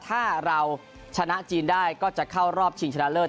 ถ้าเราชนะจีนได้ก็จะเข้ารอบชิงชนะเลิศ